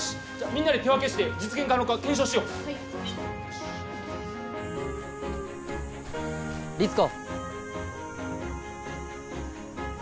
みんなで手分けして実現可能か検証しよう律子